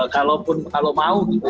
kalau mau gitu